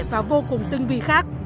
và vô cùng tinh vi khác